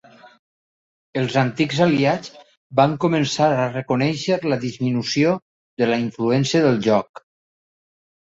Els antics aliats van començar a reconèixer la disminució de la influència del lloc.